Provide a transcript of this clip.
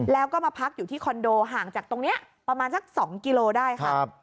แล้วก็มาพักอยู่ที่คอนโดห่างจากตรงนี้ประมาณสัก๒กิโลได้ค่ะ